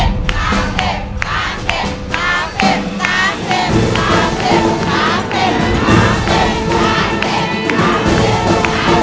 และคะแนนของน้องปิ่นคือ